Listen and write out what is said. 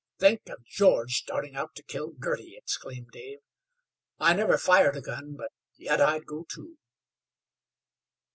"Think of George starting out to kill Girty!" exclaimed Dave. "I never fired a gun, but yet I'd go too."